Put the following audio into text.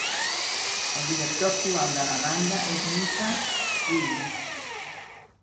El director actual de la banda és Micah Wynn.